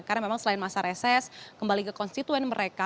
karena memang selain masa reses kembali ke konstituen mereka